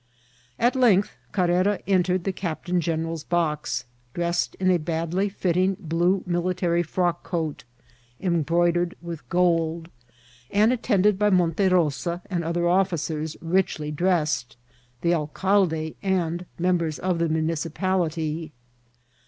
At length Carrera entered die eaptain general's boxy dressed in a badly fitting blue military frock coat, embroidered with gold, and at tended by Monte Rosa and other officers, richly dressed, tiie alcalde and members of the municipality.